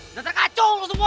udah terkacung lo semua